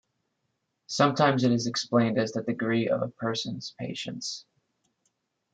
Sometimes it is explained as the degree of a person's patience.